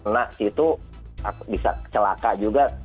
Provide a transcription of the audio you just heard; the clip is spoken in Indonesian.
nah situ bisa celaka juga